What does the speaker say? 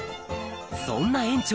そんな園長